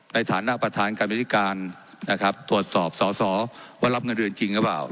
ในฐานะประธานการบริการนะครับตรวจสอบสอสอว่ารับเงินเดือนจริงหรือเปล่า